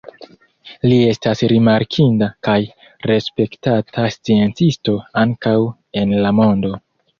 Li estas rimarkinda kaj respektata sciencisto ankaŭ en la mondo.